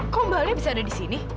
kok mbak alia bisa ada di sini